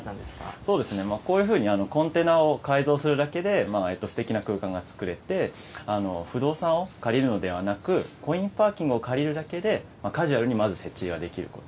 そうですね、こういうふうにコンテナを改造するだけで、すてきな空間が作れて、不動産を借りるのではなく、コインパーキングを借りるだけでカジュアルにまず設置ができること。